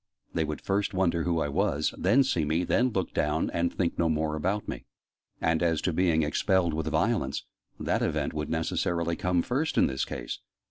They would first wonder who I was, then see me, then look down, and think no more about me. And as to being expelled with violence, that event would necessarily come first in this case.